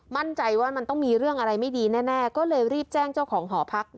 มั่นใจว่ามันต้องมีเรื่องอะไรไม่ดีแน่ก็เลยรีบแจ้งเจ้าของหอพัก